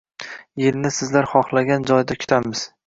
Yilni sizlar xohlagan joyda kutamiz